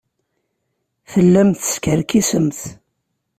Tellamt teskerkisemt.